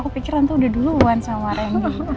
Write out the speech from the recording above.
aku pikiran tuh udah duluan sama randy